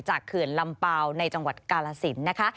เขื่อนลำเปล่าในจังหวัดกาลสินนะคะ